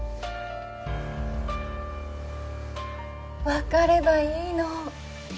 分かればいいの。